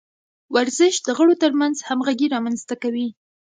ورزش د غړو ترمنځ همغږي رامنځته کوي.